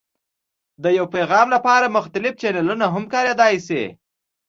د یو پیغام لپاره مختلف چینلونه هم کارېدای شي.